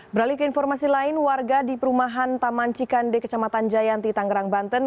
beralih ke informasi lain warga di perumahan taman cikande kecamatan jayanti tangerang banten